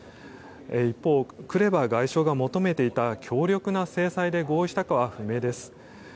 一方、クレバ外相が求めていた強力な制裁で合意したかは不明です。